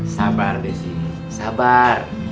sabar desi sabar